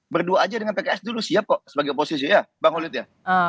berdua aja dengan pks dulu siap kok sebagai oposisi ya bang holid ya